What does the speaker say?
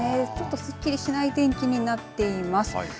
すっきりしない天気になっています。